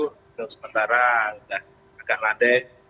sudah sementara agak lantai